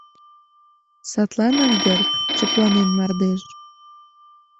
Садланак дыр шыпланен мардеж.